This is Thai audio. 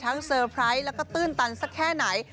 เซอร์ไพรส์แล้วก็ตื้นตันสักแค่ไหน